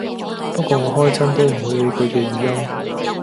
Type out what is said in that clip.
不過我開親都唔會理佢嘅語音